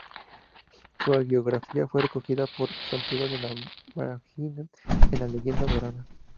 Su hagiografía fue recogida por Santiago de la Vorágine en "La leyenda dorada".